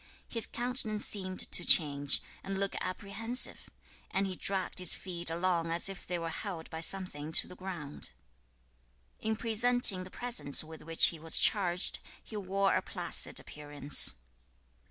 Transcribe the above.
His countenance seemed to change, and look apprehensive, and he dragged his feet along as if they were held by something to the ground. 2. In presenting the presents with which he was charged, he wore a placid appearance.